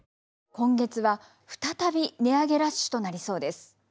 今月はふたたび値上げラッシュとなりそうです。